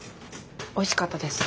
おいしかったです。